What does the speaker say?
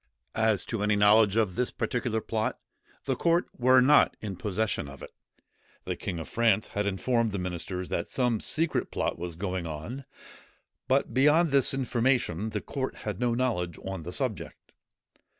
As to any knowledge of this particular plot, the court were not in possession of it. The king of France had informed the ministers that some secret plot was going on; but beyond this information the court had no knowledge on the subject.